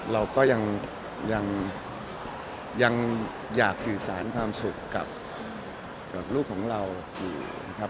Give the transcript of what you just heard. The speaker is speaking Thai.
เราก็ยังอยากสื่อสารความสุขกับลูกของเราอยู่นะครับ